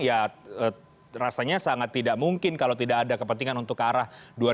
ya rasanya sangat tidak mungkin kalau tidak ada kepentingan untuk ke arah dua ribu dua puluh